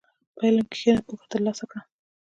په علم کښېنه، پوهه ترلاسه کړه.